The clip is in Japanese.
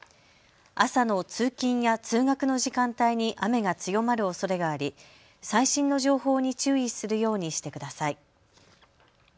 朝の通勤や通学の時間帯に雨が強まるおそれがあり最新の情報に注意するようにしてください。